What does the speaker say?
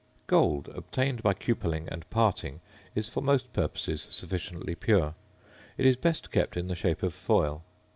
Gold, obtained by cupelling and "parting," is for most purposes sufficiently pure. It is best kept in the shape of foil.